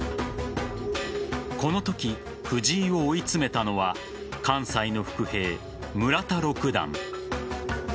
このとき、藤井を追い詰めたのは関西の伏兵・村田六段。